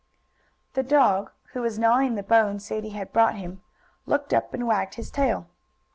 The dog, who was gnawing the bone Sadie had brought him, looked up and wagged his tail.